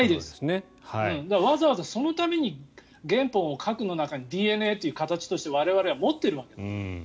わざわ、ざそのために原本を核の中にＤＮＡという形として我々は持っているわけ。